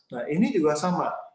nah ini juga sama